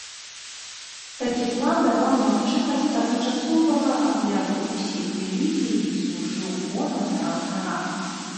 Такі план даваў магчымасць адначасовага агляду ўсіх рэліквій і служыў фонам для алтара.